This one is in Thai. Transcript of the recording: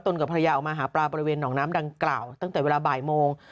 กับภรรยาออกมาหาปลาบริเวณหนองน้ำดังกล่าวตั้งแต่เวลาบ่ายโมง